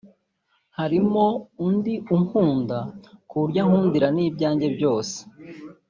harimo undi unkunda ku buryo ankundira n’ibyanjye byose